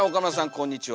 こんにちは。